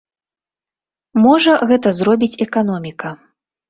Можа, гэта зробіць эканоміка.